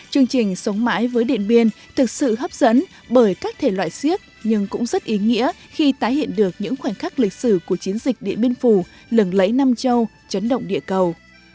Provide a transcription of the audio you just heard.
chương trình sống mãi với điện biên thực sự hấp dẫn bởi các thể loại siếc nhưng cũng rất ý nghĩa khi tái hiện được những khoảnh khắc lịch sử của chiến dịch điện biên phủ lừng lẫy nam châu chấn động địa cầu